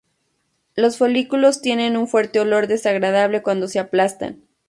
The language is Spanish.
Los folículos tienen un fuerte olor desagradable cuando se aplastan.